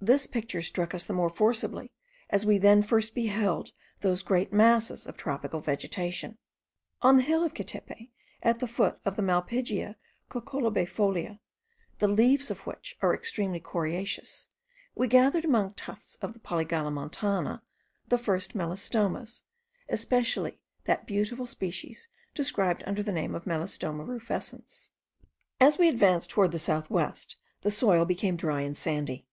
This picture struck us the more forcibly, as we then first beheld those great masses of tropical vegetation. On the hill of Quetepe, at the foot of the Malpighia cocollobaefolia, the leaves of which are extremely coriaceous, we gathered, among tufts of the Polygala montana, the first melastomas, especially that beautiful species described under the name of the Melastoma rufescens. As we advanced toward the south west, the soil became dry and sandy.